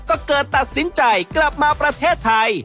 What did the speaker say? ก็เกิดตัดสินใจกลับมาประเทศไทย